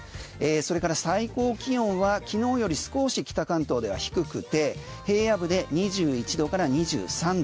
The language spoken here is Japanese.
それから最高気温は昨日より少し北関東では低くて平野部で２１度から２３度。